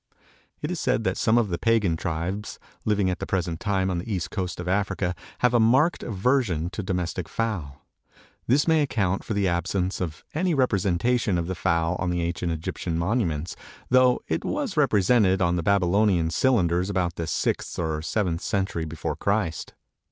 It is said that some of the pagan tribes living at the present time on the east coast of Africa have a marked aversion to the domestic fowl. This may account for the absence of any representation of the fowl on the ancient Egyptian monuments, though it was represented on the Babylonian cylinders about the sixth or seventh century before Christ.